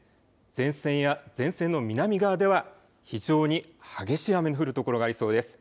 前線や前線の南側では非常に激しい雨の降る所がありそうです。